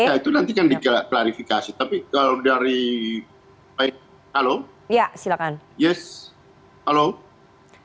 itu nanti akan diklarifikasi tapi kalau dari pak effendi halo